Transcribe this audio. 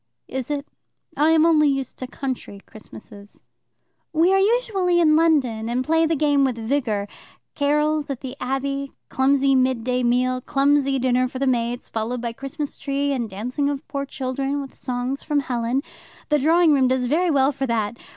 "Is it? I am only used to country Christmases." "We are usually in London, and play the game with vigour carols at the Abbey, clumsy midday meal, clumsy dinner for the maids, followed by Christmas tree and dancing of poor children, with songs from Helen. The drawing room does very well for that.